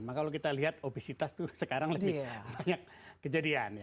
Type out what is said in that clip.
maka kalau kita lihat obesitas itu sekarang lebih banyak kejadian